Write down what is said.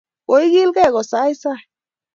Koigilgei kosaisai